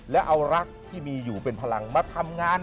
และเอารักที่มีอยู่เป็นพลังมาทำงาน